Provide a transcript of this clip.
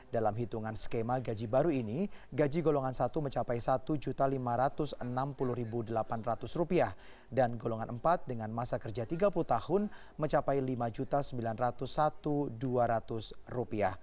dalam hitungan skema gaji baru ini gaji golongan satu mencapai rp satu lima ratus enam puluh delapan ratus dan golongan empat dengan masa kerja tiga puluh tahun mencapai rp lima sembilan ratus satu dua ratus